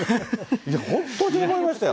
いや、本当に思いましたよ。